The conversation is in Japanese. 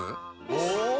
お！